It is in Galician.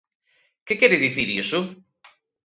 ¿Que quere dicir iso?